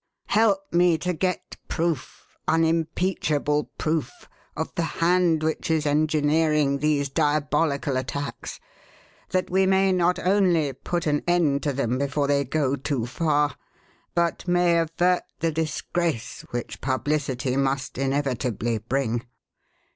Help me to get proof unimpeachable proof of the hand which is engineering these diabolical attacks, that we may not only put an end to them before they go too far, but may avert the disgrace which publicity must inevitably bring."